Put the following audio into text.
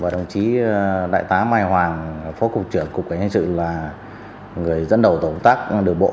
đồng chí đại tá mai hoàng phó cục trưởng cục cảnh hành sự là người dẫn đầu tổ công tác đường bộ